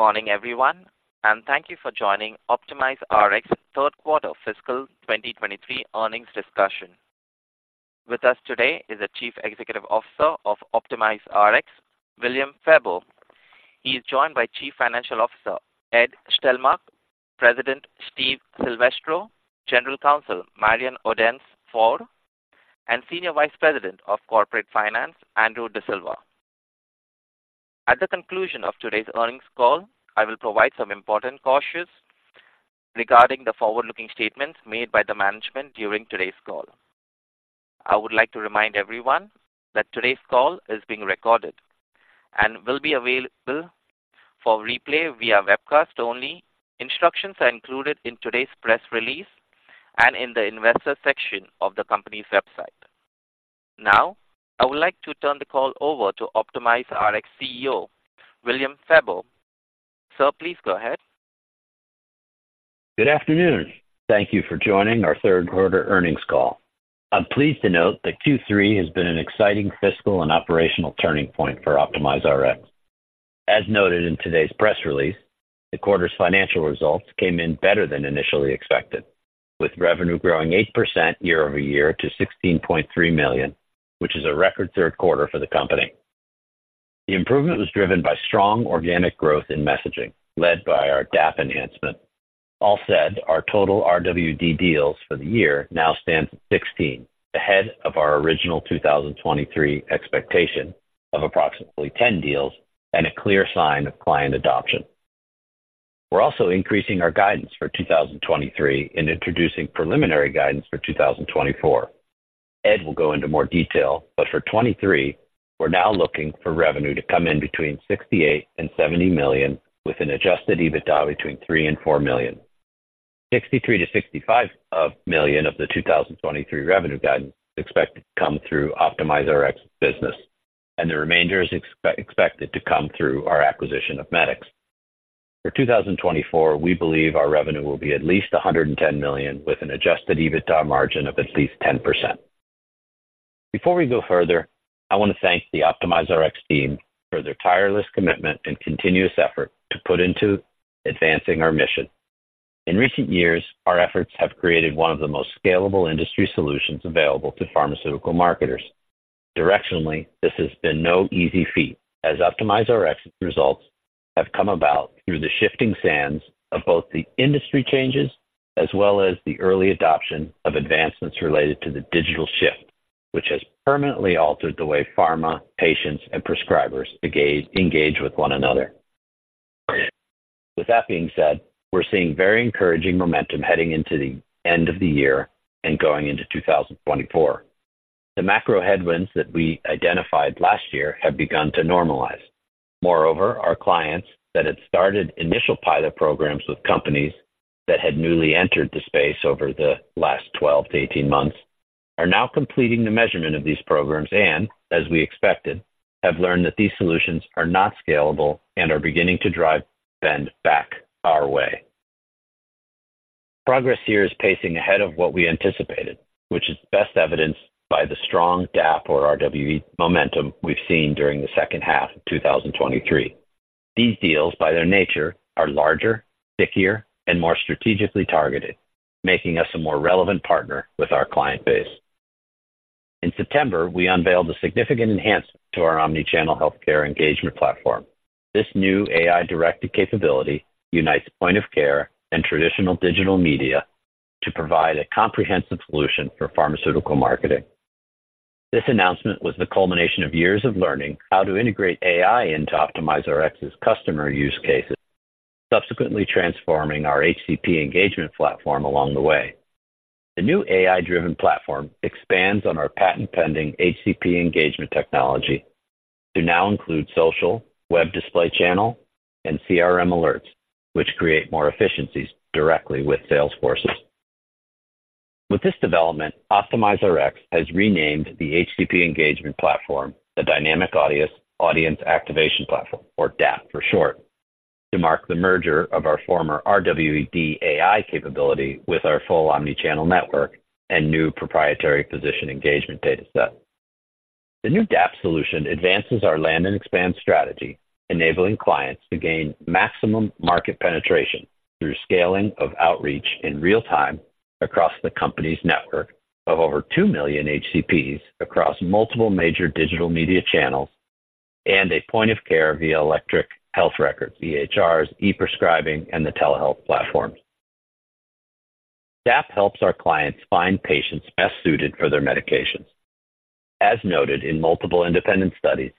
Good morning, everyone, and thank you for joining OptimizeRx third quarter fiscal 2023 earnings discussion. With us today is the Chief Executive Officer of OptimizeRx, William Febbo. He is joined by Chief Financial Officer, Ed Stelmakh, President Steve Silvestro, General Counsel Marion Odence-Ford, and Senior Vice President of Corporate Finance, Andrew D'Silva. At the conclusion of today's earnings call, I will provide some important cautions regarding the forward-looking statements made by the management during today's call. I would like to remind everyone that today's call is being recorded and will be available for replay via webcast only. Instructions are included in today's press release and in the investor section of the company's website. Now, I would like to turn the call over to OptimizeRx CEO, William Febbo. Sir, please go ahead. Good afternoon. Thank you for joining our third quarter earnings call. I'm pleased to note that Q3 has been an exciting fiscal and operational turning point for OptimizeRx. As noted in today's press release, the quarter's financial results came in better than initially expected, with revenue growing 8% year-over-year to $16.3 million, which is a record third quarter for the company. The improvement was driven by strong organic growth in messaging, led by our DAAP enhancement. All said, our total RWD deals for the year now stands at 16, ahead of our original 2023 expectation of approximately 10 deals and a clear sign of client adoption. We're also increasing our guidance for 2023 and introducing preliminary guidance for 2024. Ed will go into more detail, but for 2023, we're now looking for revenue to come in between $68 million and $70 million, with an Adjusted EBITDA between $3 million and $4 million. $63 million-$65 million of the 2023 revenue guidance is expected to come through OptimizeRx business, and the remainder is expected to come through our acquisition of Medicx. For 2024, we believe our revenue will be at least $110 million, with an Adjusted EBITDA margin of at least 10%. Before we go further, I want to thank the OptimizeRx team for their tireless commitment and continuous effort to put into advancing our mission. In recent years, our efforts have created one of the most scalable industry solutions available to pharmaceutical marketers. Directionally, this has been no easy feat, as OptimizeRx results have come about through the shifting sands of both the industry changes as well as the early adoption of advancements related to the digital shift, which has permanently altered the way pharma, patients, and prescribers engage with one another. With that being said, we're seeing very encouraging momentum heading into the end of the year and going into 2024. The macro headwinds that we identified last year have begun to normalize. Moreover, our clients that had started initial pilot programs with companies that had newly entered the space over the last 12-18 months, are now completing the measurement of these programs and, as we expected, have learned that these solutions are not scalable and are beginning to drive spend back our way. Progress here is pacing ahead of what we anticipated, which is best evidenced by the strong DAAP or RWD momentum we've seen during the second half of 2023. These deals, by their nature, are larger, stickier, and more strategically targeted, making us a more relevant partner with our client base. In September, we unveiled a significant enhancement to our omni-channel healthcare engagement platform. This new AI-directed capability unites point of care and traditional digital media to provide a comprehensive solution for pharmaceutical marketing. This announcement was the culmination of years of learning how to integrate AI into OptimizeRx's customer use cases, subsequently transforming our HCP engagement platform along the way. The new AI-driven platform expands on our patent-pending HCP engagement technology to now include social, web display channel, and CRM alerts, which create more efficiencies directly with sales forces. With this development, OptimizeRx has renamed the HCP engagement platform the Dynamic Audience, Audience Activation Platform, or DAAP for short, to mark the merger of our former RWD AI capability with our full omnichannel network and new proprietary physician engagement dataset. The new DAAP solution advances our land and expand strategy, enabling clients to gain maximum market penetration through scaling of outreach in real time across the company's network of over 2 million HCPs across multiple major digital media channels and a point of care via electronic health records, EHRs, e-prescribing, and the telehealth platforms. DAAP helps our clients find patients best suited for their medications. As noted in multiple independent studies,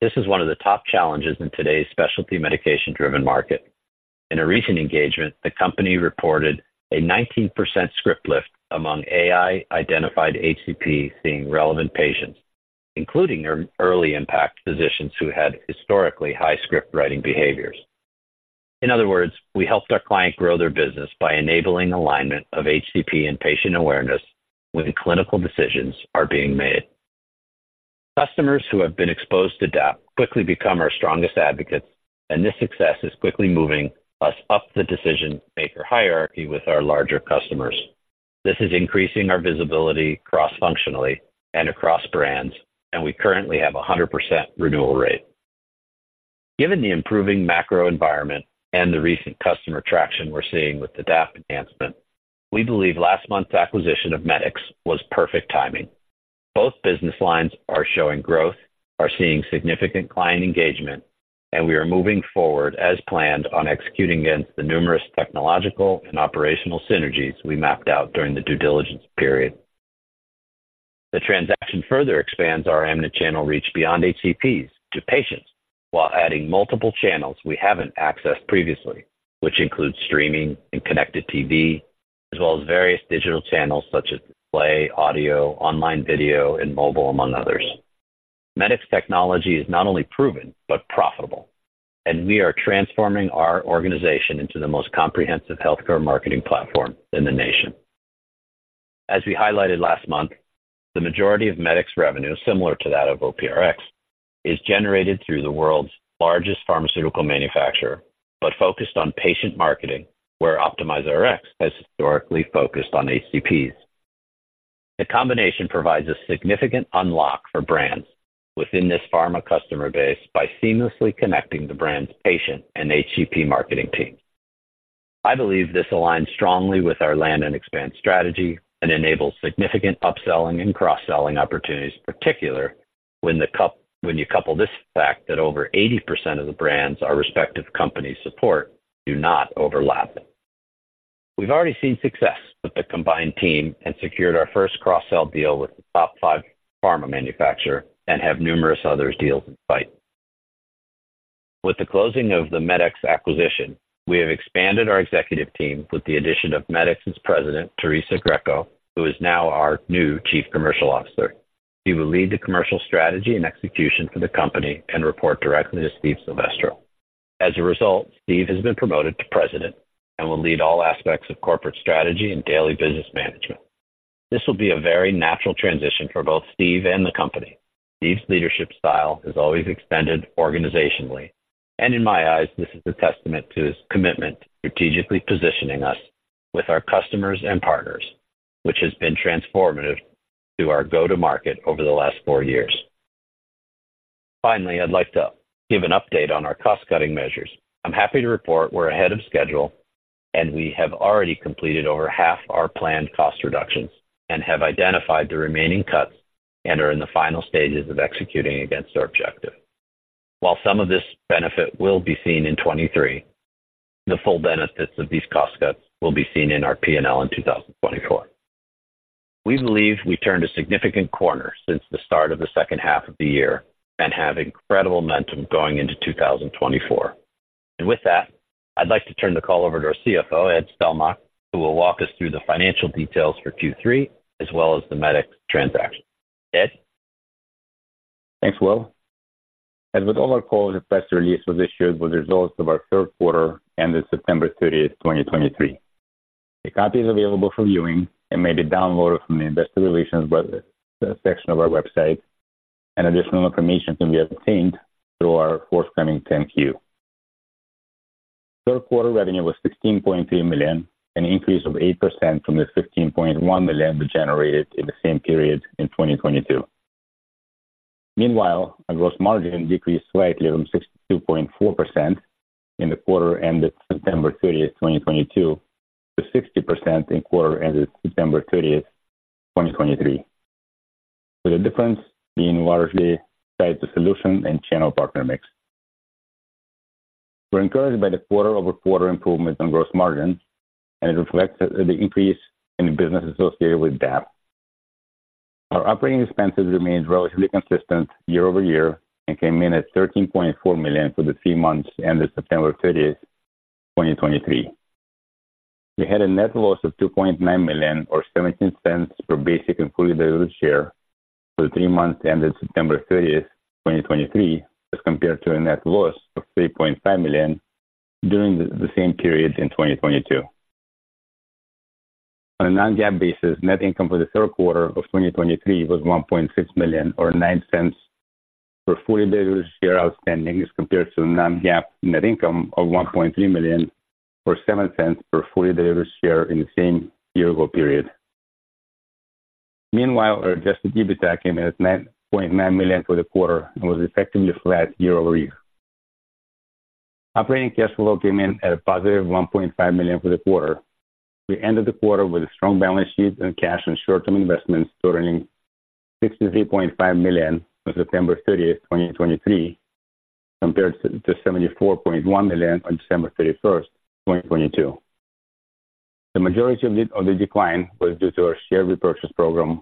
this is one of the top challenges in today's specialty medication-driven market. In a recent engagement, the company reported a 19% script lift among AI-identified HCPs seeing relevant patients, including their early impact physicians who had historically high script writing behaviors. In other words, we helped our client grow their business by enabling alignment of HCP and patient awareness when clinical decisions are being made. Customers who have been exposed to DAAP quickly become our strongest advocates, and this success is quickly moving us up the decision maker hierarchy with our larger customers. This is increasing our visibility cross-functionally and across brands, and we currently have a 100% renewal rate. Given the improving macro environment and the recent customer traction we're seeing with the DAAP enhancement, we believe last month's acquisition of Medicx was perfect timing. Both business lines are showing growth, are seeing significant client engagement, and we are moving forward as planned on executing against the numerous technological and operational synergies we mapped out during the due diligence period. The transaction further expands our omnichannel reach beyond HCPs to patients, while adding multiple channels we haven't accessed previously, which includes streaming and connected TV, as well as various digital channels such as play, audio, online video, and mobile, among others. Medicx technology is not only proven but profitable, and we are transforming our organization into the most comprehensive healthcare marketing platform in the nation. As we highlighted last month, the majority of Medicx revenue, similar to that of OPRX, is generated through the world's largest pharmaceutical manufacturer, but focused on patient marketing, where OptimizeRx has historically focused on HCPs. The combination provides a significant unlock for brands within this pharma customer base by seamlessly connecting the brand's patient and HCP marketing team. I believe this aligns strongly with our land and expand strategy and enables significant upselling and cross-selling opportunities, particularly when you couple this fact that over 80% of the brands our respective companies support do not overlap. We've already seen success with the combined team and secured our first cross-sell deal with the top five pharma manufacturer and have numerous other deals in sight. With the closing of the Medicx acquisition, we have expanded our executive team with the addition of Medicx's president, Theresa Greco, who is now our new Chief Commercial Officer. She will lead the commercial strategy and execution for the company and report directly to Steve Silvestro. As a result, Steve has been promoted to president and will lead all aspects of corporate strategy and daily business management. This will be a very natural transition for both Steve and the company. Steve's leadership style has always expanded organizationally, and in my eyes, this is a testament to his commitment to strategically positioning us with our customers and partners, which has been transformative to our go-to-market over the last four years. Finally, I'd like to give an update on our cost-cutting measures. I'm happy to report we're ahead of schedule, and we have already completed over half our planned cost reductions and have identified the remaining cuts and are in the final stages of executing against our objective. While some of this benefit will be seen in 2023, the full benefits of these cost cuts will be seen in our P&L in 2024. We believe we turned a significant corner since the start of the second half of the year and have incredible momentum going into 2024. With that, I'd like to turn the call over to our CFO, Ed Stelmakh, who will walk us through the financial details for Q3 as well as the Medicx transaction. Ed? Thanks, Will. As with all our calls, a press release was issued with the results of our third quarter ended September 30, 2023. A copy is available for viewing and may be downloaded from the investor relations web section of our website, and additional information can be obtained through our forthcoming 10-Q. Third quarter revenue was $16.3 million, an increase of 8% from the $15.1 million generated in the same period in 2022. Meanwhile, our gross margin decreased slightly from 62.4% in the quarter ended September 30, 2022, to 60% in quarter ended September 30, 2023. With the difference being largely tied to solution and channel partner mix. We're encouraged by the quarter-over-quarter improvement on gross margin, and it reflects the increase in the business associated with DAAP. Our operating expenses remained relatively consistent year over year and came in at $13.4 million for the three months ended September 30, 2023. We had a net loss of $2.9 million, or $0.17 per basic and fully diluted share for the three months ended September 30, 2023, as compared to a net loss of $3.5 million during the same period in 2022. On a non-GAAP basis, net income for the third quarter of 2023 was $1.6 million, or $0.09 per fully diluted share outstanding, as compared to a non-GAAP net income of $1.3 million or $0.07 per fully diluted share in the same year-ago period. Meanwhile, our Adjusted EBITDA came in at $9.9 million for the quarter and was effectively flat year over year. Operating cash flow came in at a positive $1.5 million for the quarter. We ended the quarter with a strong balance sheet and cash and short-term investments totaling $63.5 million on September 30, 2023, compared to $74.1 million on December 31, 2022. The majority of the decline was due to our share repurchase program,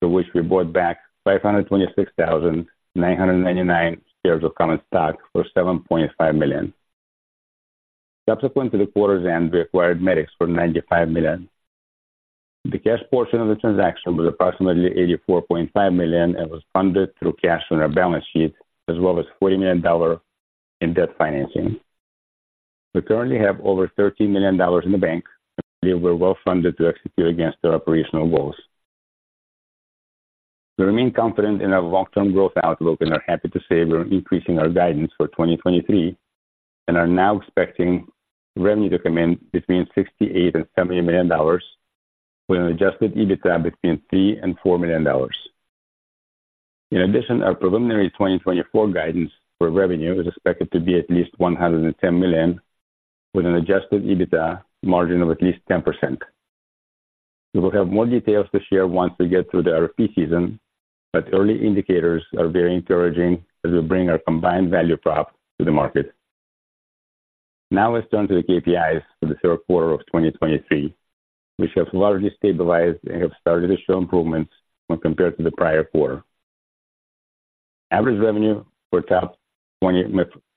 to which we bought back 526,999 shares of common stock for $7.5 million. Subsequent to the quarter's end, we acquired Medicx for $95 million. The cash portion of the transaction was approximately $84.5 million and was funded through cash on our balance sheet, as well as $40 million dollars in debt financing. We currently have over $13 million dollars in the bank, and we were well funded to execute against our operational goals.... We remain confident in our long-term growth outlook and are happy to say we're increasing our guidance for 2023, and are now expecting revenue to come in between $68 million and $70 million, with an adjusted EBITDA between $3 million and $4 million. In addition, our preliminary 2024 guidance for revenue is expected to be at least $110 million, with an adjusted EBITDA margin of at least 10%. We will have more details to share once we get through the RFP season, but early indicators are very encouraging as we bring our combined value prop to the market. Now let's turn to the KPIs for the third quarter of 2023, which have largely stabilized and have started to show improvements when compared to the prior quarter. Average revenue per top 20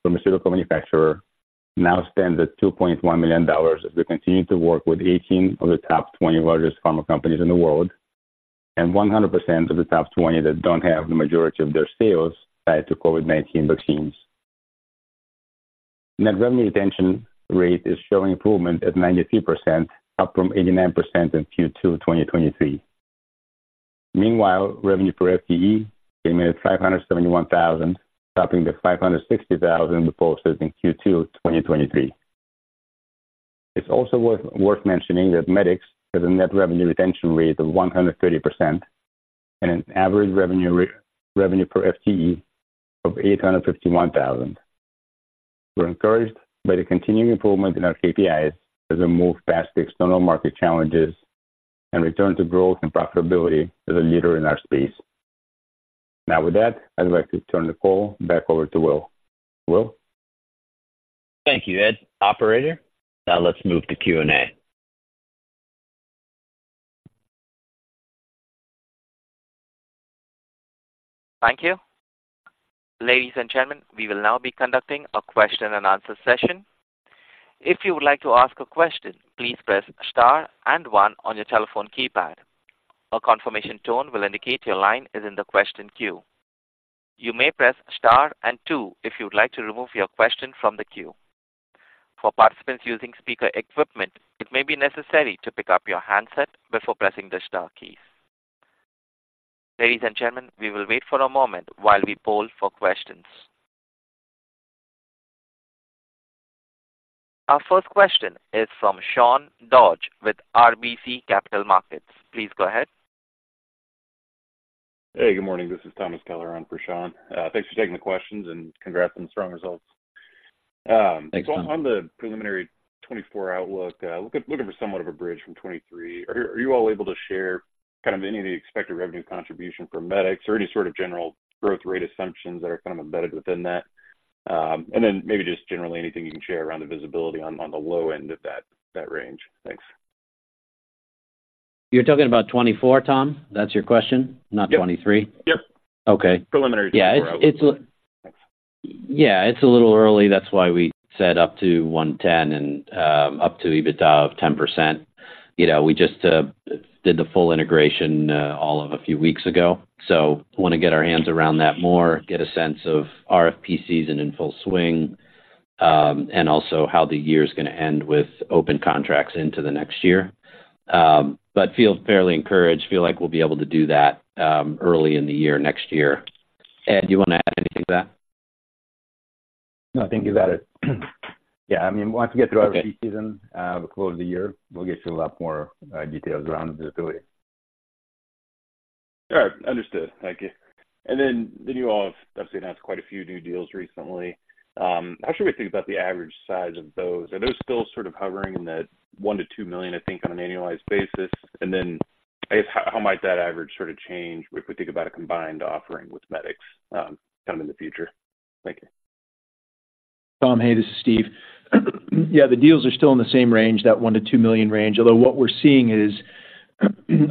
pharmaceutical manufacturer now stands at $2.1 million, as we continue to work with 18 of the top 20 largest pharma companies in the world, and 100% of the top 20 that don't have the majority of their sales tied to COVID-19 vaccines. Net revenue retention rate is showing improvement at 92%, up from 89% in Q2 2023. Meanwhile, revenue per FTE came in at $571,000, topping the $560,000 reported in Q2 2023. It's also worth mentioning that Medicx has a net revenue retention rate of 130% and an average revenue per FTE of $851,000. We're encouraged by the continuing improvement in our KPIs as we move past the external market challenges and return to growth and profitability as a leader in our space. Now, with that, I'd like to turn the call back over to Will. Will? Thank you, Ed. Operator, now let's move to Q&A. Thank you. Ladies and gentlemen, we will now be conducting a question-and-answer session. If you would like to ask a question, please press star and one on your telephone keypad. A confirmation tone will indicate your line is in the question queue. You may press star and two if you'd like to remove your question from the queue. For participants using speaker equipment, it may be necessary to pick up your handset before pressing the star key. Ladies and gentlemen, we will wait for a moment while we poll for questions. Our first question is from Sean Dodge with RBC Capital Markets. Please go ahead. Hey, good morning. This is Thomas Schuyler on for Sean. Thanks for taking the questions, and congrats on the strong results. Thanks, Tom. On the preliminary 2024 outlook, looking for somewhat of a bridge from 2023. Are you all able to share kind of any of the expected revenue contribution for Medicx or any sort of general growth rate assumptions that are kind of embedded within that? And then maybe just generally anything you can share around the visibility on the low end of that range. Thanks. You're talking about 2024, Tom? That's your question, not 2023? Yep. Okay. Preliminary- Yeah. -for outlook. It's, yeah, it's a little early, that's why we said up to 110 and, up to EBITDA of 10%. You know, we just, did the full integration, all of a few weeks ago, so want to get our hands around that more, get a sense of RFP season in full swing, and also how the year's gonna end with open contracts into the next year. But feel fairly encouraged. Feel like we'll be able to do that, early in the year, next year. Ed, do you want to add anything to that? No, I think you got it. Yeah, I mean, once we get through our peak season- Okay Before the close of the year, we'll get you a lot more details around the visibility. All right. Understood. Thank you. And then you all have obviously announced quite a few new deals recently. How should we think about the average size of those? Are those still sort of hovering in the $1 million-$2 million, I think, on an annualized basis? And then I guess how might that average sort of change if we think about a combined offering with Medicx out in the future? Thank you. Tom, hey, this is Steve. Yeah, the deals are still in the same range, that $1 million-$2 million range. Although what we're seeing is,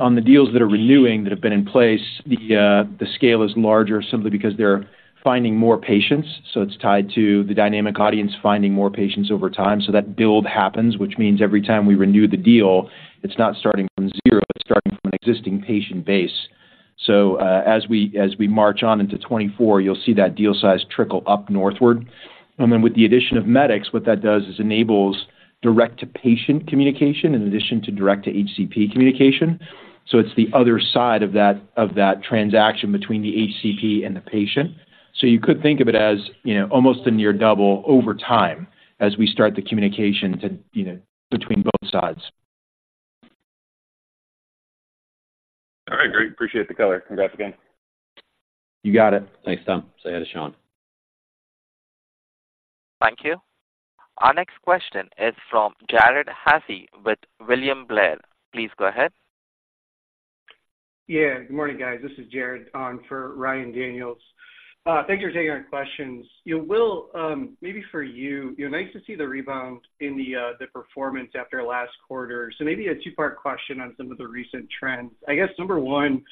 on the deals that are renewing, that have been in place, the scale is larger simply because they're finding more patients. So it's tied to the dynamic audience finding more patients over time. So that build happens, which means every time we renew the deal, it's not starting from zero, it's starting from an existing patient base. So, as we march on into 2024, you'll see that deal size trickle up northward. And then with the addition of Medicx, what that does is enables direct-to-patient communication in addition to direct-to-HCP communication. So it's the other side of that, of that transaction between the HCP and the patient. You could think of it as, you know, almost a near double over time as we start the communication to, you know, between both sides. All right, great. Appreciate the color. Congrats again. You got it. Thanks, Tom. Say hi to Sean. Thank you. Our next question is from Jared Haase with William Blair. Please go ahead. Yeah, good morning, guys. This is Jared, on for Ryan Daniels. Thank you for taking our questions. You know, Will, maybe for you. You know, nice to see the rebound in the performance after last quarter. So maybe a two-part question on some of the recent trends. I guess, number one,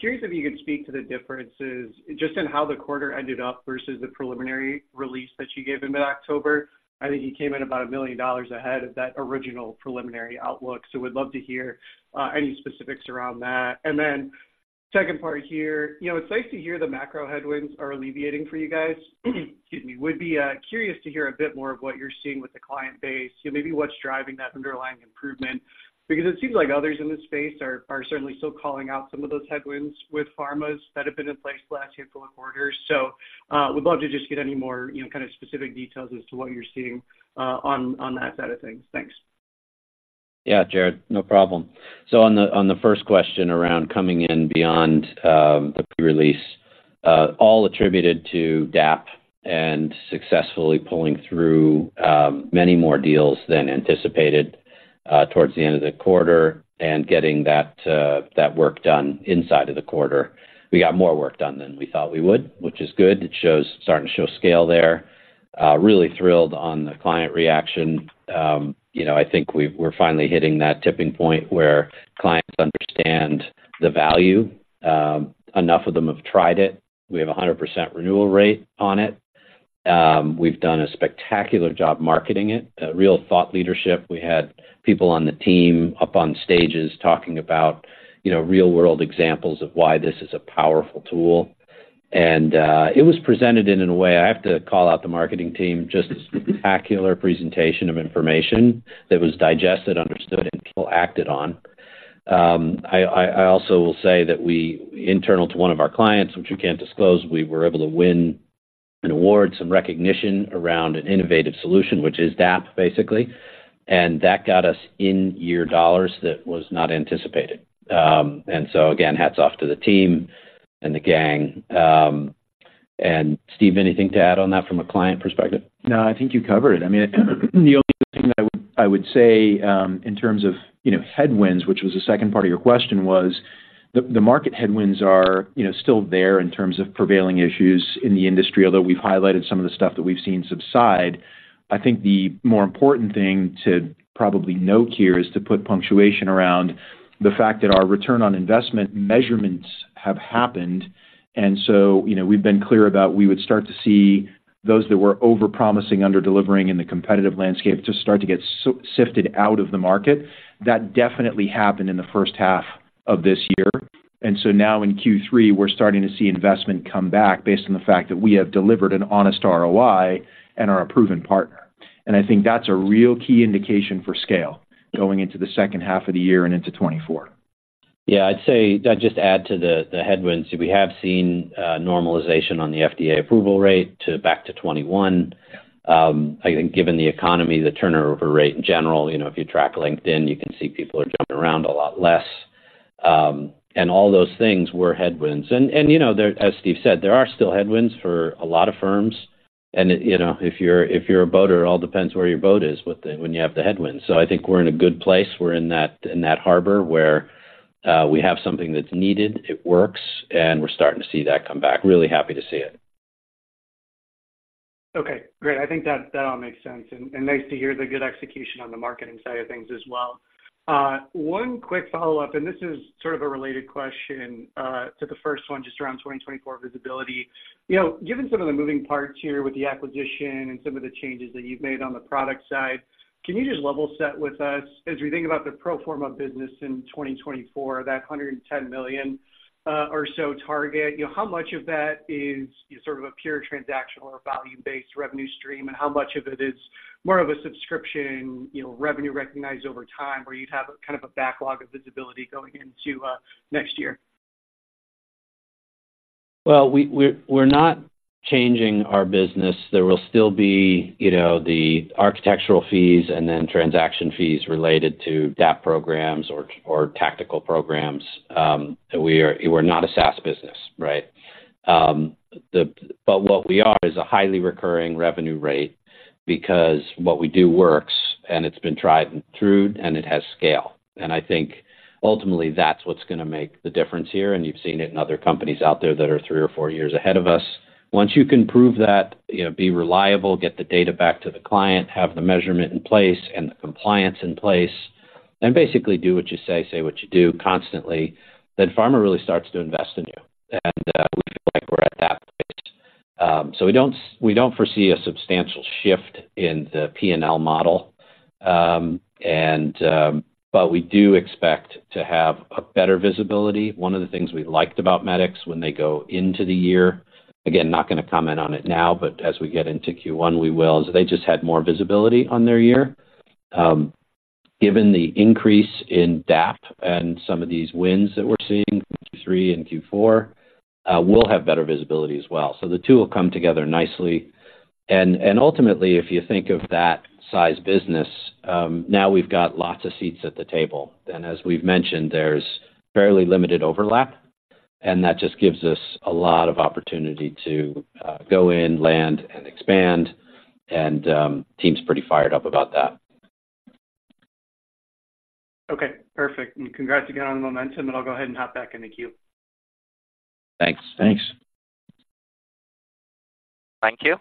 curious if you could speak to the differences just in how the quarter ended up versus the preliminary release that you gave in October. I think you came in about $1 million ahead of that original preliminary outlook, so would love to hear any specifics around that. And then, second part here, you know, it's nice to hear the macro headwinds are alleviating for you guys. Excuse me. Would be curious to hear a bit more of what you're seeing with the client base. You know, maybe what's driving that underlying improvement? Because it seems like others in this space are certainly still calling out some of those headwinds with pharmas that have been in place the last handful of quarters. So, would love to just get any more, you know, kind of specific details as to what you're seeing on that side of things. Thanks. Yeah, Jared, no problem. So on the, on the first question around coming in beyond the pre-release, all attributed to DAAP and successfully pulling through many more deals than anticipated towards the end of the quarter and getting that, that work done inside of the quarter. We got more work done than we thought we would, which is good. It shows starting to show scale there. Really thrilled on the client reaction. You know, I think we- we're finally hitting that tipping point where clients understand the value. Enough of them have tried it. We have a 100% renewal rate on it. We've done a spectacular job marketing it, a real thought leadership. We had people on the team up on stages talking about, you know, real-world examples of why this is a powerful tool. It was presented in a way... I have to call out the marketing team, just spectacular presentation of information that was digested, understood, and people acted on. I also will say that we, internal to one of our clients, which we can't disclose, were able to win an award, some recognition around an innovative solution, which is DAAP, basically. And that got us in-year dollars that was not anticipated. And so again, hats off to the team and the gang. And Steve, anything to add on that from a client perspective? No, I think you covered it. I mean, the only thing that I would say in terms of, you know, headwinds, which was the second part of your question, was the market headwinds are, you know, still there in terms of prevailing issues in the industry, although we've highlighted some of the stuff that we've seen subside. I think the more important thing to probably note here is to put punctuation around the fact that our return on investment measurements have happened. And so, you know, we've been clear about we would start to see those that were over-promising, under-delivering in the competitive landscape to start to get sifted out of the market. That definitely happened in the first half of this year. So now in Q3, we're starting to see investment come back based on the fact that we have delivered an honest ROI and are a proven partner. I think that's a real key indication for scale going into the second half of the year and into 2024. Yeah, I'd say, I'd just add to the, the headwinds, we have seen, normalization on the FDA approval rate back to 21. I think given the economy, the turnover rate in general, you know, if you track LinkedIn, you can see people are jumping around a lot less. And all those things were headwinds. And, you know, there—as Steve said, there are still headwinds for a lot of firms. And, you know, if you're, if you're a boater, it all depends where your boat is with the—when you have the headwinds. So I think we're in a good place. We're in that, in that harbor where, we have something that's needed, it works, and we're starting to see that come back. Really happy to see it. Okay, great. I think that, that all makes sense, and, and nice to hear the good execution on the marketing side of things as well. One quick follow-up, and this is sort of a related question, to the first one, just around 2024 visibility. You know, given some of the moving parts here with the acquisition and some of the changes that you've made on the product side, can you just level set with us as we think about the pro forma business in 2024, that $110 million or so target? You know, how much of that is sort of a pure transactional or value-based revenue stream, and how much of it is more of a subscription, you know, revenue recognized over time, where you'd have kind of a backlog of visibility going into, next year? Well, we're not changing our business. There will still be, you know, the architectural fees and then transaction fees related to DAAP programs or tactical programs. We're not a SaaS business, right? But what we are is a highly recurring revenue rate because what we do works, and it's been tried and true, and it has scale. And I think ultimately that's what's gonna make the difference here, and you've seen it in other companies out there that are three or four years ahead of us. Once you can prove that, you know, be reliable, get the data back to the client, have the measurement in place and the compliance in place, and basically do what you say, say what you do constantly, then pharma really starts to invest in you. And we feel like we're at that place. So we don't, we don't foresee a substantial shift in the P&L model. But we do expect to have a better visibility. One of the things we liked about Medicx when they go into the year, again, not gonna comment on it now, but as we get into Q1, we will. They just had more visibility on their year. Given the increase in DAAP and some of these wins that we're seeing in Q3 and Q4, we'll have better visibility as well. So the two will come together nicely. And ultimately, if you think of that size business, now we've got lots of seats at the table. And as we've mentioned, there's fairly limited overlap, and that just gives us a lot of opportunity to go in, land, and expand, and team's pretty fired up about that. Okay, perfect. And congrats again on the momentum, and I'll go ahead and hop back in the queue. Thanks. Thanks. Thank you.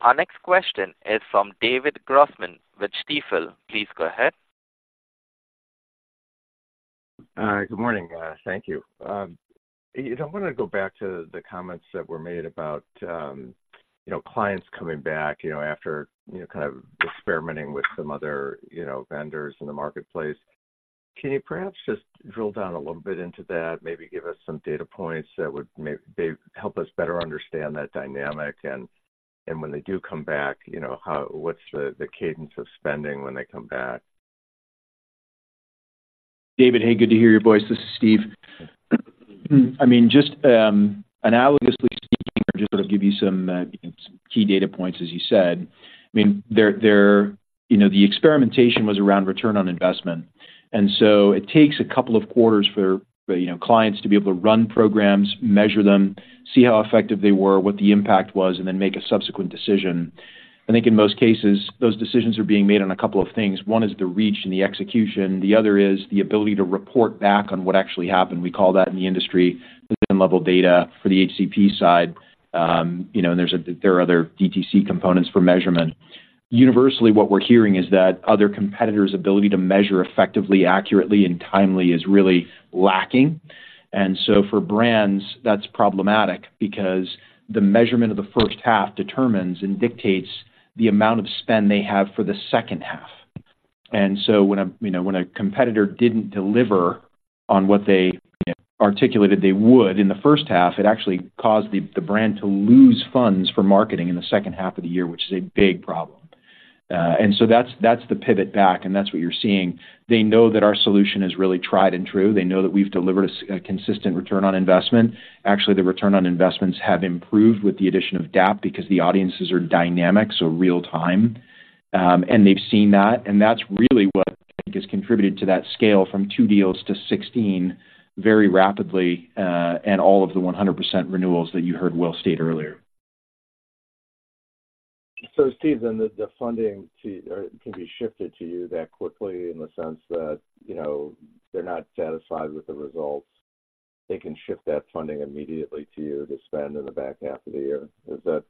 Our next question is from David Grossman with Stifel. Please go ahead. Good morning. Thank you. You know, I wanna go back to the comments that were made about, you know, clients coming back, you know, after, you know, kind of experimenting with some other, you know, vendors in the marketplace. Can you perhaps just drill down a little bit into that? Maybe give us some data points that would help us better understand that dynamic, and when they do come back, you know, what's the cadence of spending when they come back? David, hey, good to hear your voice. This is Steve. I mean, just, analogously speaking, or just to give you some, some key data points, as you said, I mean, there you know, the experimentation was around return on investment. And so it takes a couple of quarters for, you know, clients to be able to run programs, measure them, see how effective they were, what the impact was, and then make a subsequent decision. I think in most cases, those decisions are being made on a couple of things. One is the reach and the execution. The other is the ability to report back on what actually happened. We call that in the industry, the level data for the HCP side. You know, and there are other DTC components for measurement. Universally, what we're hearing is that other competitors' ability to measure effectively, accurately, and timely is really lacking. And so for brands, that's problematic because the measurement of the first half determines and dictates the amount of spend they have for the second half. And so when you know, when a competitor didn't deliver on what they, you know, articulated they would in the first half, it actually caused the brand to lose funds for marketing in the second half of the year, which is a big problem. And so that's the pivot back, and that's what you're seeing. They know that our solution is really tried and true. They know that we've delivered a consistent return on investment. Actually, the return on investments have improved with the addition of DAAP because the audiences are dynamic, so real-time. And they've seen that, and that's really what has contributed to that scale from two deals to 16 very rapidly, and all of the 100% renewals that you heard Will state earlier. So, Steve, then the funding too can be shifted to you that quickly in the sense that, you know, they're not satisfied with the results, they can shift that funding immediately to you to spend in the back half of the year. Is that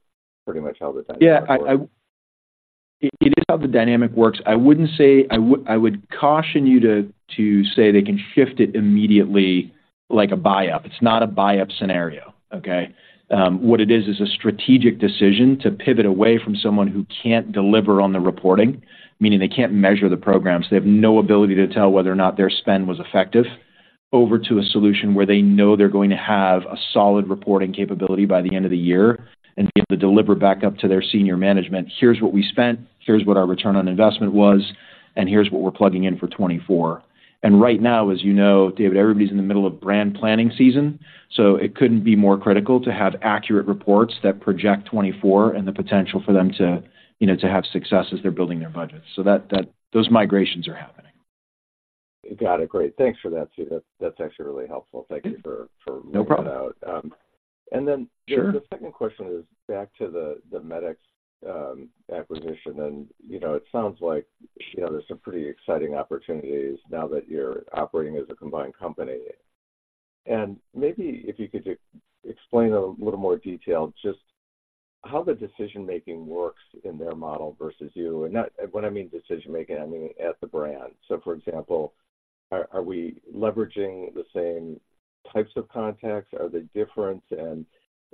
pretty much how the dynamic works? Yeah, it is how the dynamic works. I wouldn't say I would caution you to say they can shift it immediately like a buy-up. It's not a buy-up scenario, okay? What it is, is a strategic decision to pivot away from someone who can't deliver on the reporting, meaning they can't measure the programs. They have no ability to tell whether or not their spend was effective, over to a solution where they know they're going to have a solid reporting capability by the end of the year and be able to deliver back up to their senior management. Here's what we spent, here's what our return on investment was, and here's what we're plugging in for 2024. Right now, as you know, David, everybody's in the middle of brand planning season, so it couldn't be more critical to have accurate reports that project 2024 and the potential for them to, you know, to have success as they're building their budgets. So that, those migrations are happening. Got it. Great. Thanks for that, Steve. That's actually really helpful. Thank you for... No problem... laying that out. And then- Sure... the second question is back to the, the Medicx, acquisition. And, you know, it sounds like, you know, there's some pretty exciting opportunities now that you're operating as a combined company. And maybe if you could explain in a little more detail, just how the decision-making works in their model versus you. And not, when I mean decision-making, I mean at the brand. So, for example, are we leveraging the same types of contacts? Are they different?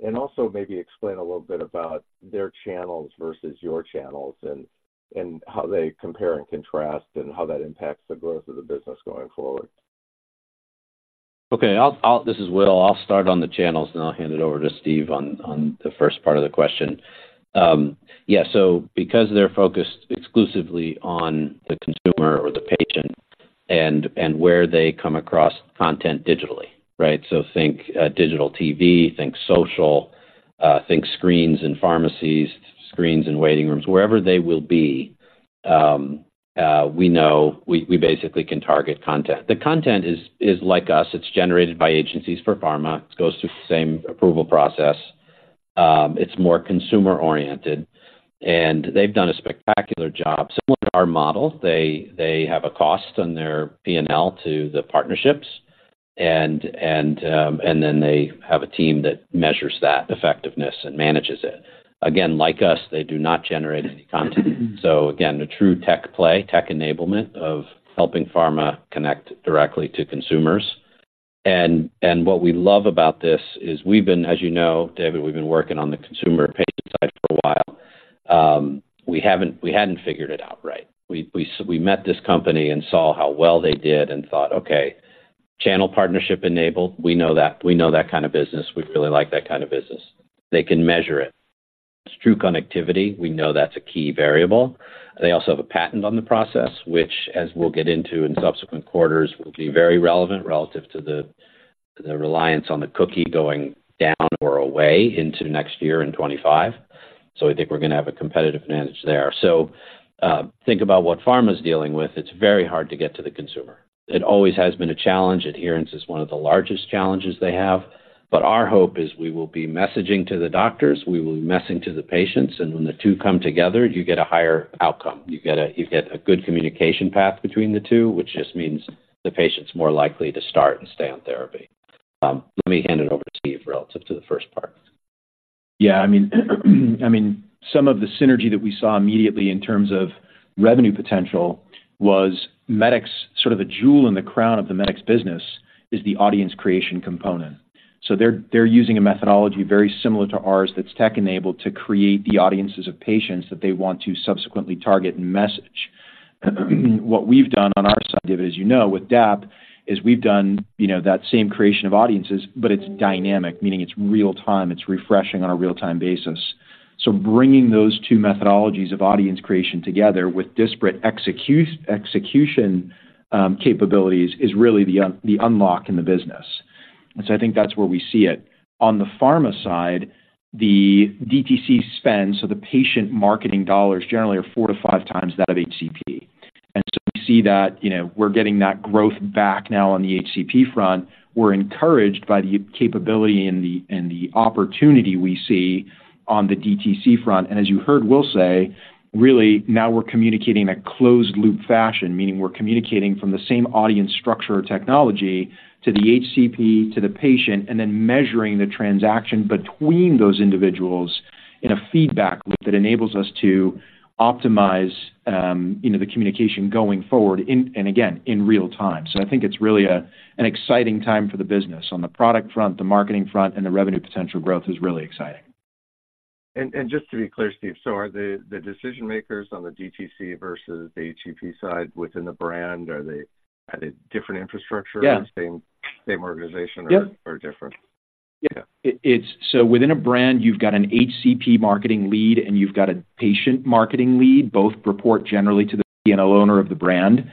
And also maybe explain a little bit about their channels versus your channels and how they compare and contrast, and how that impacts the growth of the business going forward. Okay, I'll... This is Will. I'll start on the channels, and then I'll hand it over to Steve on the first part of the question. Yeah, so because they're focused exclusively on the consumer or the patient and where they come across content digitally, right? So think digital TV, think social, think screens in pharmacies, screens in waiting rooms. Wherever they will be, we know we basically can target content. The content is like us. It's generated by agencies for pharma. It goes through the same approval process. It's more consumer-oriented, and they've done a spectacular job. Similar to our model, they have a cost on their P&L to the partnerships and then they have a team that measures that effectiveness and manages it. Again, like us, they do not generate any content. So again, a true tech play, tech enablement of helping pharma connect directly to consumers. And what we love about this is we've been, as you know, David, working on the consumer patient side for a while. We hadn't figured it out, right? We met this company and saw how well they did and thought, "Okay, channel partnership enabled. We know that. We know that kind of business. We really like that kind of business." They can measure it. It's true connectivity. We know that's a key variable. They also have a patent on the process, which, as we'll get into in subsequent quarters, will be very relevant relative to the reliance on the cookie going down or away into next year in 2025. So we think we're gonna have a competitive advantage there. So, think about what pharma's dealing with. It's very hard to get to the consumer. It always has been a challenge. Adherence is one of the largest challenges they have, but our hope is we will be messaging to the doctors, we will be messaging to the patients, and when the two come together, you get a higher outcome. You get a, you get a good communication path between the two, which just means the patient's more likely to start and stay on therapy. Let me hand it over to Steve relative to the first part. Yeah, I mean, some of the synergy that we saw immediately in terms of revenue potential was Medicx, sort of a jewel in the crown of the Medicx business, is the audience creation component. So they're using a methodology very similar to ours that's tech-enabled, to create the audiences of patients that they want to subsequently target and message. What we've done on our side, as you know, with DAAP, is we've done, you know, that same creation of audiences, but it's dynamic, meaning it's real-time, it's refreshing on a real-time basis. So bringing those two methodologies of audience creation together with disparate execution capabilities is really the unlock in the business. And so I think that's where we see it. On the pharma side, the DTC spend, so the patient marketing dollars, generally are four to five times that of HCP. And so we see that, you know, we're getting that growth back now on the HCP front. We're encouraged by the capability and the opportunity we see on the DTC front. And as you heard Will say, really, now we're communicating in a closed loop fashion, meaning we're communicating from the same audience structure or technology to the HCP, to the patient, and then measuring the transaction between those individuals in a feedback loop that enables us to optimize, you know, the communication going forward in and again in real time. So I think it's really an exciting time for the business on the product front, the marketing front, and the revenue potential growth is really exciting. Just to be clear, Steve, so are the decision makers on the DTC versus the HCP side within the brand? Are they different infrastructure- Yeah. Same organization or- Yep... or different? Yeah. It's so within a brand, you've got an HCP marketing lead, and you've got a patient marketing lead. Both report generally to the P&L owner of the brand.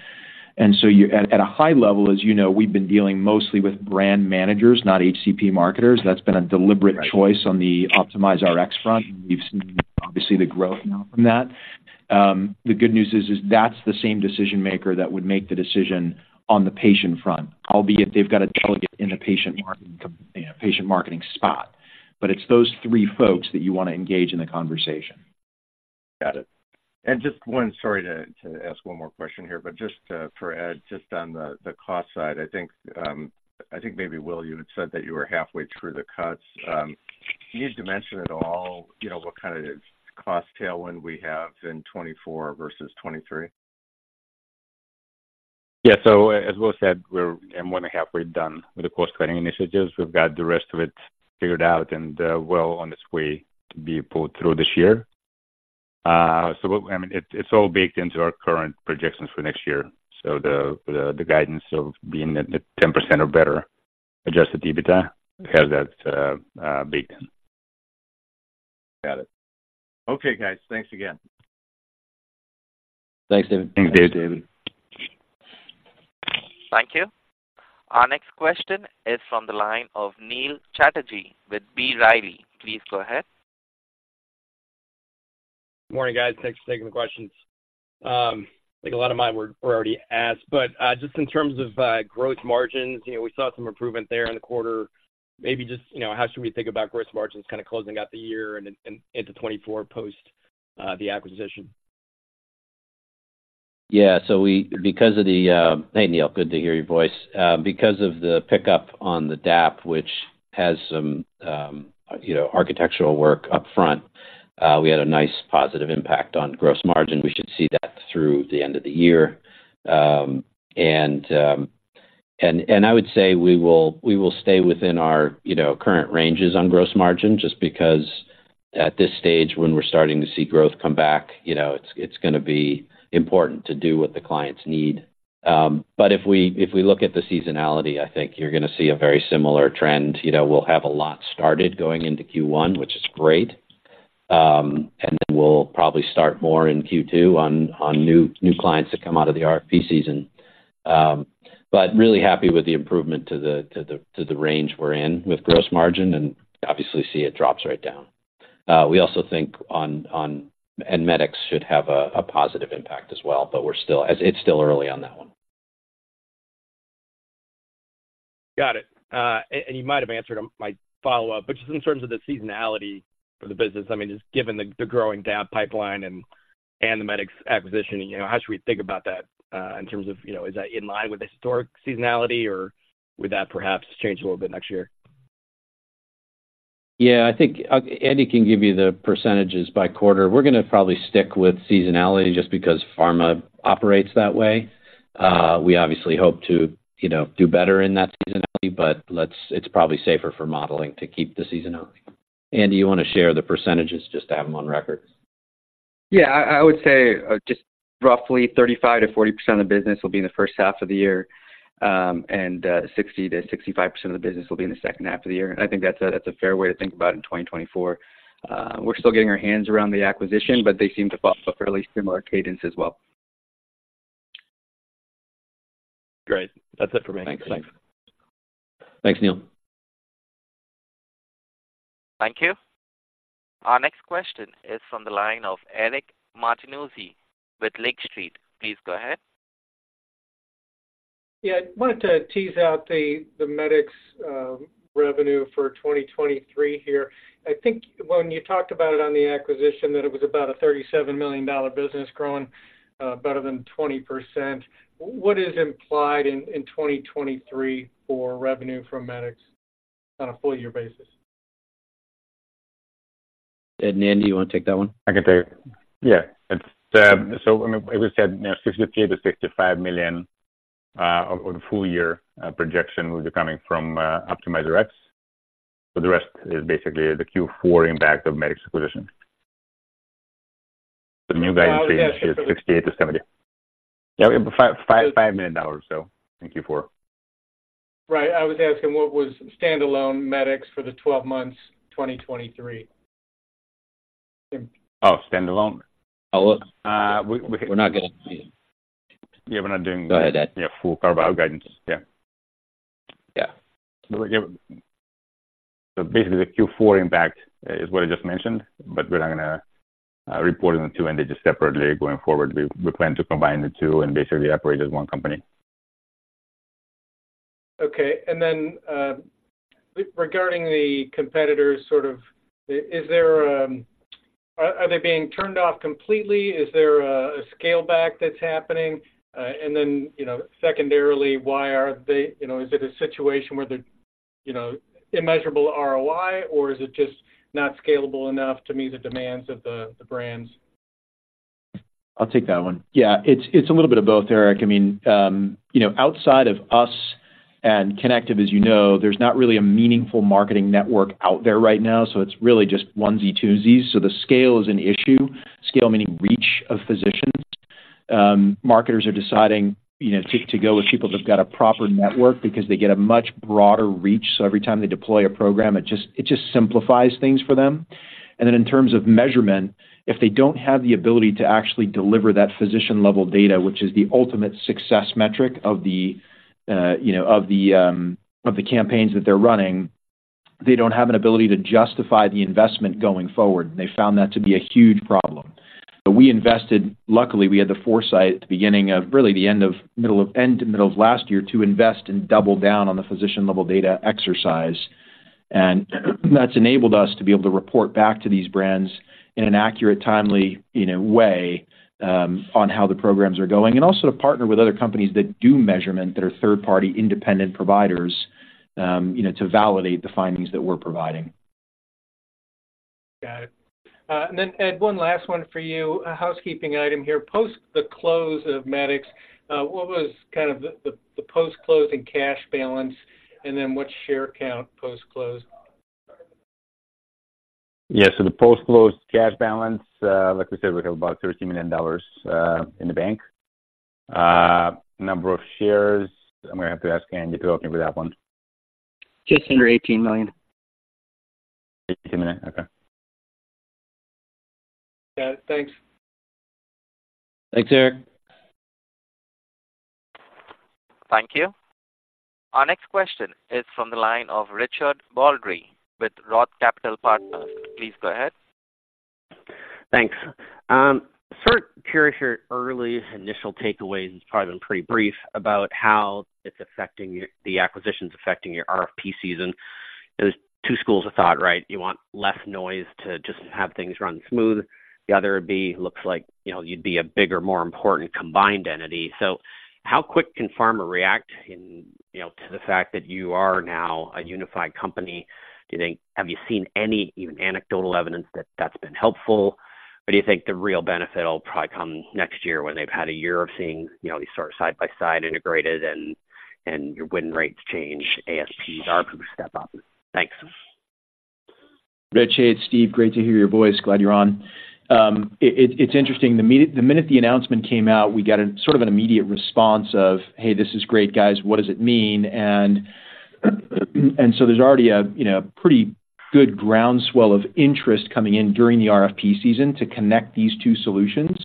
So you at a high level, as you know, we've been dealing mostly with brand managers, not HCP marketers. That's been a deliberate choice- Right... on the OptimizeRx front, and we've seen obviously the growth now from that. The good news is, is that's the same decision maker that would make the decision on the patient front, albeit they've got a delegate in the patient marketing spot. But it's those three folks that you want to engage in the conversation. Got it. And just one... Sorry, to ask one more question here, but just for Ed, just on the cost side, I think, I think maybe, Will, you had said that you were halfway through the cuts. Can you dimension at all, you know, what kind of cost tailwind we have in 2024 versus 2023? Yeah. So as Will said, we're more than halfway done with the cost-cutting initiatives. We've got the rest of it figured out and, well on its way to be pulled through this year. I mean, it's all baked into our current projections for next year. So the guidance of being at 10% or better, Adjusted EBITDA, has that baked in. Got it. Okay, guys. Thanks again. Thanks, David. Thanks, David. Thank you. Our next question is from the line of Neil Chatterji with B Riley. Please go ahead. Good morning, guys. Thanks for taking the questions. I think a lot of mine were already asked, but just in terms of growth margins, you know, we saw some improvement there in the quarter. Maybe just, you know, how should we think about growth margins kind of closing out the year and into 2024 post the acquisition? Yeah, so we—because of the... Hey, Neil, good to hear your voice. Because of the pickup on the DAAP, which has some, you know, architectural work upfront, we had a nice positive impact on gross margin. We should see that through the end of the year. And I would say we will stay within our, you know, current ranges on gross margin, just because at this stage, when we're starting to see growth come back, you know, it's gonna be important to do what the clients need. But if we look at the seasonality, I think you're gonna see a very similar trend. You know, we'll have a lot started going into Q1, which is great. And then we'll probably start more in Q2 on new clients that come out of the RFP season. But really happy with the improvement to the range we're in with gross margin, and obviously see it drops right down. We also think on and Medicx should have a positive impact as well, but we're still, as it's still early on that one. Got it. And you might have answered my follow-up, but just in terms of the seasonality for the business, I mean, just given the growing DAAP pipeline and the Medicx acquisition, you know, how should we think about that, in terms of, you know, is that in line with the historic seasonality, or would that perhaps change a little bit next year? Yeah, I think Andy can give you the percentages by quarter. We're gonna probably stick with seasonality just because pharma operates that way. We obviously hope to, you know, do better in that seasonality, but let's. It's probably safer for modeling to keep the seasonality. Andy, you want to share the percentages just to have them on record? Yeah. I, I would say just roughly 35%-40% of the business will be in the first half of the year, and 60%-65% of the business will be in the second half of the year. I think that's a, that's a fair way to think about in 2024. We're still getting our hands around the acquisition, but they seem to follow a fairly similar cadence as well. Great. That's it for me. Thanks. Thanks, Neil. Thank you. Our next question is from the line of Eric Martinuzzi with Lake Street. Please go ahead. Yeah, I wanted to tease out the Medicx revenue for 2023 here. I think when you talked about it on the acquisition, that it was about a $37 million business growing better than 20%. What is implied in 2023 for revenue from Medicx on a full year basis? ... Ed, Andy, you want to take that one? I can take it. Yeah, it's so when it was said, you know, $68 million-$65 million on the full year projection will be coming from OptimizeRx, but the rest is basically the Q4 impact of Medicx acquisition. The new guidance is 68-70. Yeah, $55.5 million, so in Q4. Right. I was asking what was standalone Medicx for the 12 months, 2023? Oh, standalone? Oh, we're not gonna- Yeah, we're not doing- Go ahead, Ed. Yeah, full pro forma guidance. Yeah. Yeah. So basically, the Q4 impact is what I just mentioned, but we're not gonna report on the two entities separately going forward. We plan to combine the two and basically operate as one company. Okay. And then, regarding the competitors, sort of, is there... Are they being turned off completely? Is there a scale back that's happening? And then, you know, secondarily, why are they, you know, is it a situation where they're, you know, immeasurable ROI, or is it just not scalable enough to meet the demands of the brands? I'll take that one. Yeah, it's a little bit of both, Eric. I mean, you know, outside of us and Connective, as you know, there's not really a meaningful marketing network out there right now, so it's really just onesie, twosies. So the scale is an issue, scale meaning reach of physicians. Marketers are deciding, you know, to go with people that've got a proper network because they get a much broader reach. So every time they deploy a program, it just simplifies things for them. And then in terms of measurement, if they don't have the ability to actually deliver that physician-level data, which is the ultimate success metric of the, you know, of the campaigns that they're running, they don't have an ability to justify the investment going forward. They found that to be a huge problem. Luckily, we had the foresight from the end to the middle of last year to invest and double down on the physician-level data exercise. That's enabled us to be able to report back to these brands in an accurate, timely, you know, way on how the programs are going. Also to partner with other companies that do measurement, that are third-party, independent providers, you know, to validate the findings that we're providing. Got it. And then, Ed, one last one for you. A housekeeping item here. Post the close of Medicx, what was kind of the post-closing cash balance, and then what's share count post-close? Yeah, so the post-close cash balance, like we said, we have about $13 million in the bank. Number of shares, I'm gonna have to ask Andy to opine for that one. Just under $18 million. $18 million. Okay. Yeah, thanks. Thanks, Eric. Thank you. Our next question is from the line of Richard Baldry, with Roth Capital Partners. Please go ahead. Thanks. Sort of curious your early initial takeaways, probably been pretty brief, about how it's affecting your--the acquisition's affecting your RFP season. There's two schools of thought, right? You want less noise to just have things run smooth. The other would be, looks like, you know, you'd be a bigger, more important combined entity. So how quick can pharma react in, you know, to the fact that you are now a unified company? Do you think--have you seen any even anecdotal evidence that that's been helpful, or do you think the real benefit will probably come next year when they've had a year of seeing, you know, these sort of side-by-side integrated and, and your win rates change, ASPs are step up? Thanks. Rich, hey, it's Steve. Great to hear your voice. Glad you're on. It's interesting. The minute the announcement came out, we got a sort of an immediate response of, "Hey, this is great, guys. What does it mean?" And so there's already a, you know, pretty good groundswell of interest coming in during the RFP season to connect these two solutions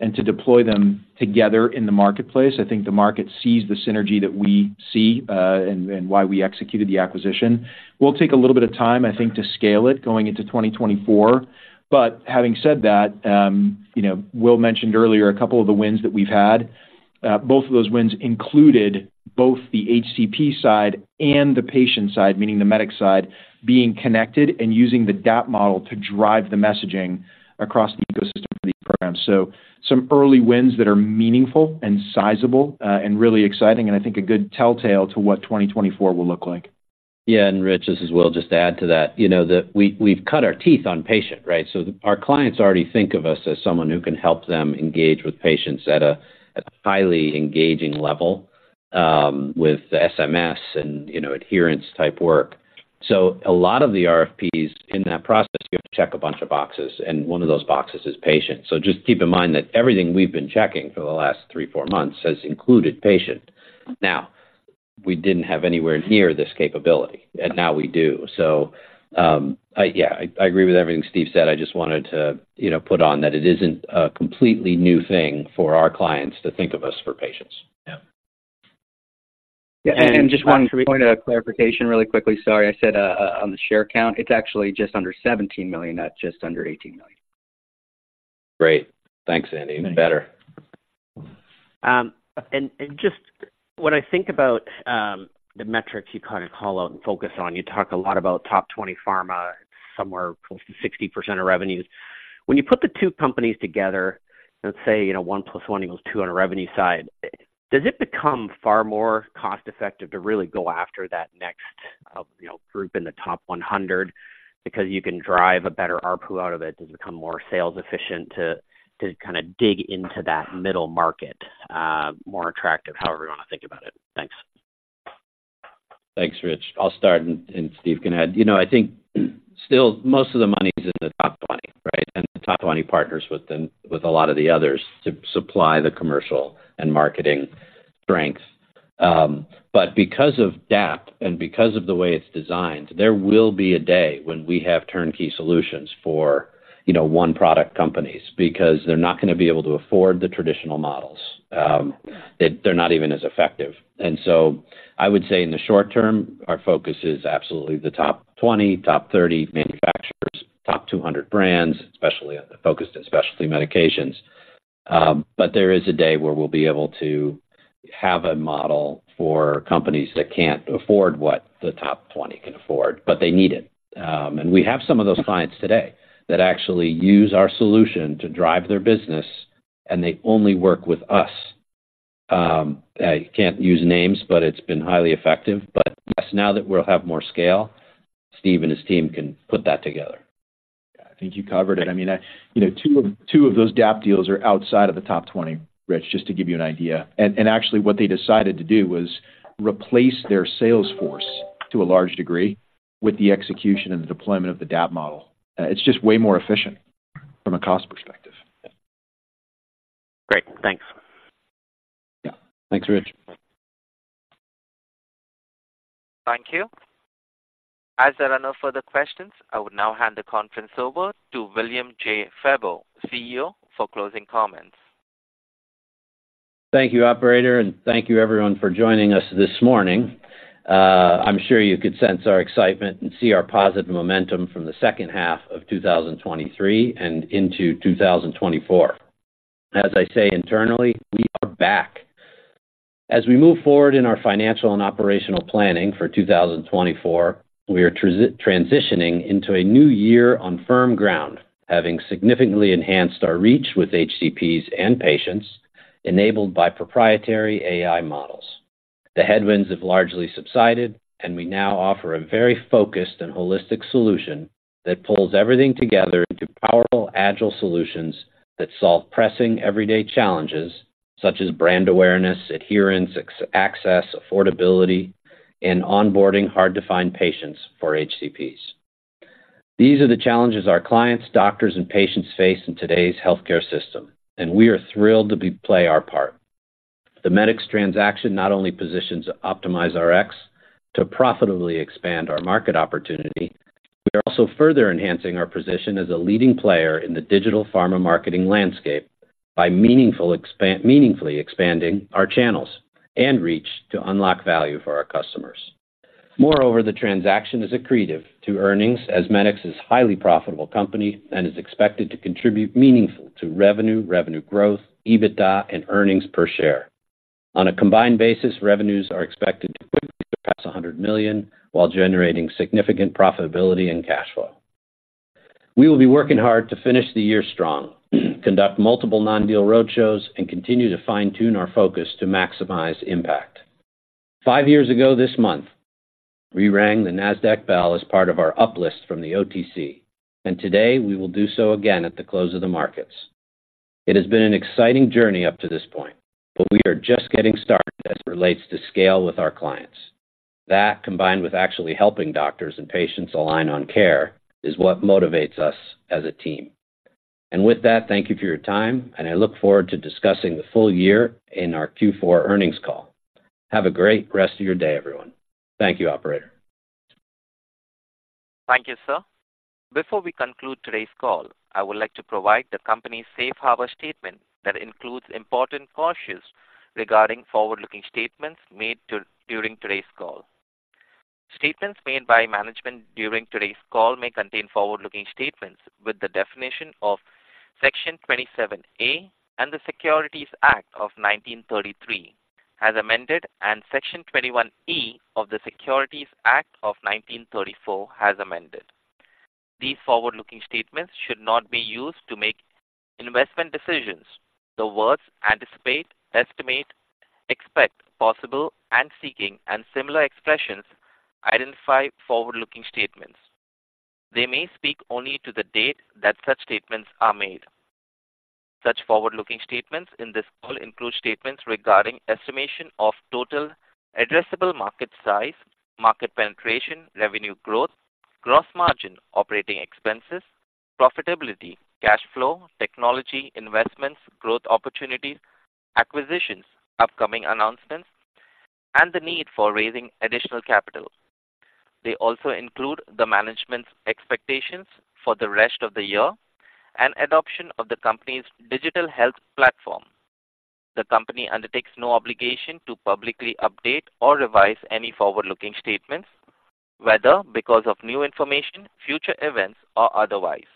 and to deploy them together in the marketplace. I think the market sees the synergy that we see, and why we executed the acquisition. We'll take a little bit of time, I think, to scale it going into 2024. But having said that, you know, Will mentioned earlier a couple of the wins that we've had. Both of those wins included both the HCP side and the patient side, meaning the Medicx side, being connected and using the DAAP model to drive the messaging across the ecosystem for these programs. Some early wins that are meaningful and sizable, and really exciting, and I think a good telltale to what 2024 will look like. Yeah, and Rich, this is Will, just to add to that. You know, that we, we've cut our teeth on patient, right? So our clients already think of us as someone who can help them engage with patients at a, at a highly engaging level with SMS and, you know, adherence-type work. So a lot of the RFPs in that process, you have to check a bunch of boxes, and one of those boxes is patient. So just keep in mind that everything we've been checking for the last three, four months has included patient. Now, we didn't have anywhere near this capability, and now we do. So, I, yeah, I agree with everything Steve said. I just wanted to, you know, put on that it isn't a completely new thing for our clients to think of us for patients. Yeah. Yeah, and just one point of clarification really quickly. Sorry, I said on the share count, it's actually just under 17 million, not just under 18 million. Great. Thanks, Andy. Better. And just when I think about the metrics you kind of call out and focus on, you talk a lot about top 20 pharma, somewhere close to 60% of revenues. When you put the two companies together, let's say, you know, one plus one equals two on the revenue side, does it become far more cost-effective to really go after that next, you know, group in the top 100 because you can drive a better ARPU out of it? Does it become more sales efficient to kind of dig into that middle market more attractive? However you want to think about it. Thanks. Thanks, Rich. I'll start, and Steve can add. You know, I think still most of the money's in the top 20, right? And the top 20 partners with them, with a lot of the others to supply the commercial and marketing strengths. But because of DAAP and because of the way it's designed, there will be a day when we have turnkey solutions for, you know, one-product companies. Because they're not gonna be able to afford the traditional models. They're not even as effective. And so I would say in the short term, our focus is absolutely the top 20, top 30 manufacturers, top 200 brands, especially focused on specialty medications. But there is a day where we'll be able to have a model for companies that can't afford what the top 20 can afford, but they need it. We have some of those clients today that actually use our solution to drive their business, and they only work with us. I can't use names, but it's been highly effective. Yes, now that we'll have more scale, Steve and his team can put that together. Yeah, I think you covered it. I mean, you know, two of those DAAP deals are outside of the top 20, Rich, just to give you an idea. And actually, what they decided to do was replace their sales force to a large degree with the execution and the deployment of the DAAP model. It's just way more efficient from a cost perspective. Great. Thanks. Yeah. Thanks, Rich. Thank you. As there are no further questions, I would now hand the conference over to William Febbo, CEO, for closing comments. Thank you, operator, and thank you everyone for joining us this morning. I'm sure you could sense our excitement and see our positive momentum from the second half of 2023 and into 2024. As I say internally, we are back. As we move forward in our financial and operational planning for 2024, we are transitioning into a new year on firm ground, having significantly enhanced our reach with HCPs and patients, enabled by proprietary AI models. The headwinds have largely subsided, and we now offer a very focused and holistic solution that pulls everything together into powerful, agile solutions that solve pressing, everyday challenges such as brand awareness, adherence, access, affordability, and onboarding hard-to-find patients for HCPs. These are the challenges our clients, doctors, and patients face in today's healthcare system, and we are thrilled to play our part. The Medicx transaction not only positions OptimizeRx to profitably expand our market opportunity, we are also further enhancing our position as a leading player in the digital pharma marketing landscape by meaningfully expanding our channels and reach to unlock value for our customers. Moreover, the transaction is accretive to earnings, as Medicx is a highly profitable company and is expected to contribute meaningfully to revenue, revenue growth, EBITDA, and earnings per share. On a combined basis, revenues are expected to quickly pass $100 million while generating significant profitability and cash flow. We will be working hard to finish the year strong, conduct multiple non-deal roadshows, and continue to fine-tune our focus to maximize impact. Five years ago this month, we rang the Nasdaq bell as part of our uplist from the OTC, and today we will do so again at the close of the markets. It has been an exciting journey up to this point, but we are just getting started as it relates to scale with our clients. That, combined with actually helping doctors and patients align on care, is what motivates us as a team. And with that, thank you for your time, and I look forward to discussing the full year in our Q4 earnings call. Have a great rest of your day, everyone. Thank you, operator. Thank you, sir. Before we conclude today's call, I would like to provide the company's safe harbor statement that includes important cautions regarding forward-looking statements made during today's call. Statements made by management during today's call may contain forward-looking statements within the definition of Section 27A of the Securities Act of 1933, as amended, and Section 21E of the Securities Exchange Act of 1934, as amended. These forward-looking statements should not be used to make investment decisions. The words "anticipate," "estimate," "expect," "possible," and "seeking," and similar expressions, identify forward-looking statements. They may speak only to the date that such statements are made. Such forward-looking statements in this call include statements regarding estimation of total addressable market size, market penetration, revenue growth, gross margin, operating expenses, profitability, cash flow, technology, investments, growth opportunities, acquisitions, upcoming announcements, and the need for raising additional capital. They also include the management's expectations for the rest of the year and adoption of the company's digital health platform. The company undertakes no obligation to publicly update or revise any forward-looking statements, whether because of new information, future events, or otherwise.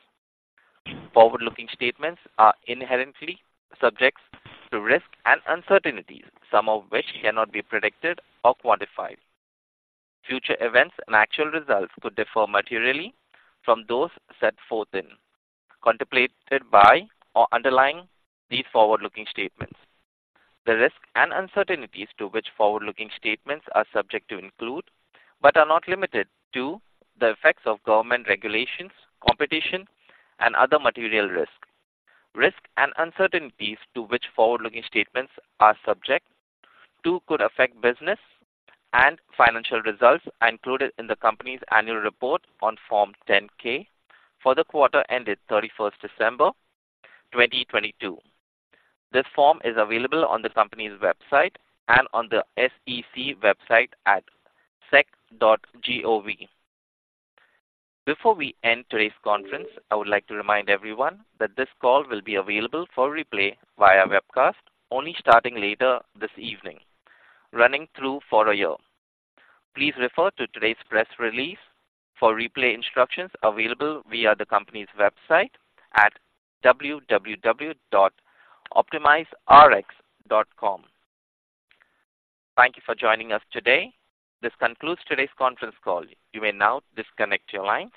These forward-looking statements are inherently subject to risks and uncertainties, some of which cannot be predicted or quantified. Future events and actual results could differ materially from those set forth in, contemplated by, or underlying these forward-looking statements. The risks and uncertainties to which forward-looking statements are subject to include, but are not limited to, the effects of government regulations, competition, and other material risks. Risks and uncertainties to which forward-looking statements are subject to could affect business and financial results are included in the company's annual report on Form 10-K for the quarter ended 31st December 2022. This form is available on the company's website and on the SEC website at sec.gov. Before we end today's conference, I would like to remind everyone that this call will be available for replay via webcast, only starting later this evening, running through for a year. Please refer to today's press release for replay instructions available via the company's website at www.optimizerx.com. Thank you for joining us today. This concludes today's conference call. You may now disconnect your lines.